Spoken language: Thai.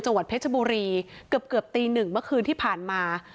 จังหวัดเพชรบุรีเกือบเกือบตีหนึ่งเมื่อคืนที่ผ่านมา